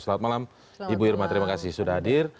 selamat malam ibu irma terima kasih sudah hadir